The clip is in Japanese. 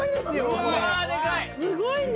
すごいね。